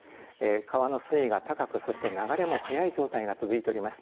川の水位が高くそして流れも速い状態が続いております。